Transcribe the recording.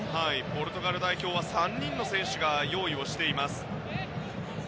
ポルトガル代表は３人の選手が用意しています。